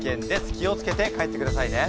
気を付けて帰ってくださいね。